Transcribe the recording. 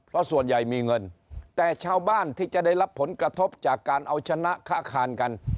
เพราะส่วนใหญ่มีเงินแต่ชาวบ้านที่จะได้รับผลกระทบจากการเอาชนะค้าคานกัน